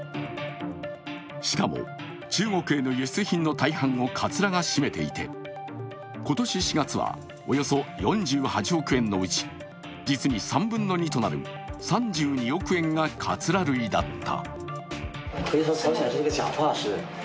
しかも、中国への輸出品の大半をかつらが占めていて今年４月は、およそ４８億円のうち実に３分の２となる３２億円がかつら類だった。